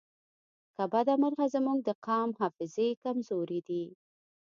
له بده مرغه زموږ د قام حافظې کمزورې دي